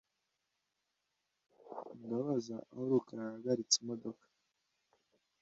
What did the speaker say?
Ndabaza aho rukara yahagaritse imodoka .